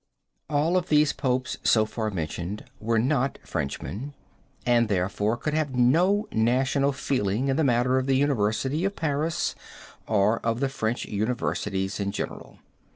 All these Popes, so far mentioned, were not Frenchmen and therefore could have no national feeling in the matter of the University of Paris or of the French universities in general.